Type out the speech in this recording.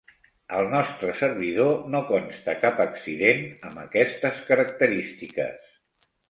Al nostre servidor no consta cap accident amb aquestes característiques.